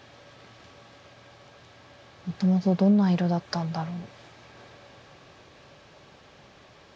もともとどんな色だったんだろう。